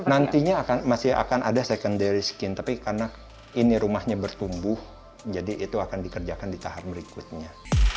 nantinya masih akan ada secondary skin tapi karena ini rumahnya bertumbuh jadi itu akan dikerjakan di tahap berikutnya